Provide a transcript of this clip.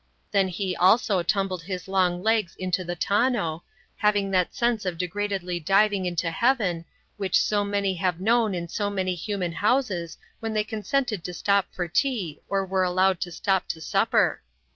Then he also tumbled his long legs into the tonneau, having that sense of degradedly diving into heaven which so many have known in so many human houses when they consented to stop to tea or were allowed to stop to supper.